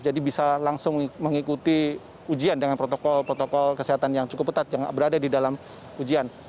jadi bisa langsung mengikuti ujian dengan protokol protokol kesehatan yang cukup tetap yang berada di dalam ujian